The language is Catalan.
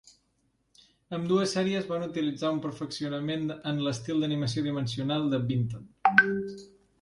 Ambdues sèries van utilitzar un perfeccionament en l'estil d'animació dimensional de Vinton.